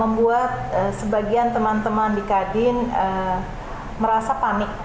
membuat sebagian teman teman di kadin merasa panik